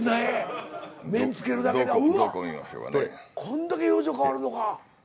こんだけ表情変わるのか。